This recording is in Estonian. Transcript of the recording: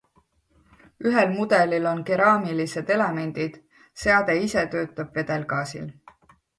Ühel mudelil on keraamilised elemendid, seade ise töötab vedelgaasil.